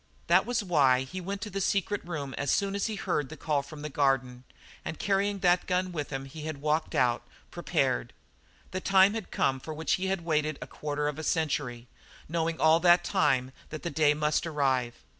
That was why he went to the secret room as soon as he heard the call from the garden, and carrying that gun with him he had walked out, prepared. The time had come for which he had waited a quarter of a century, knowing all that time that the day must arrive.